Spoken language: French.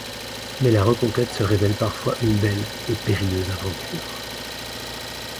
Mais la reconquête se révèle parfois une belle et périlleuse aventure.